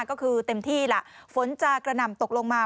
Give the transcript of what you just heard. ก็คือเต็มที่ล่ะฝนจะกระหน่ำตกลงมา